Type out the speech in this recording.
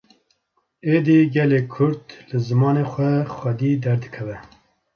Êdî gelê Kurd, li zimanê xwe xwedî derdikeve